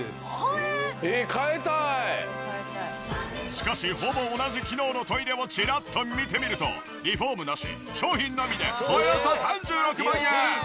しかしほぼ同じ機能のトイレをチラッと見てみるとリフォームなし商品のみでおよそ３６万円！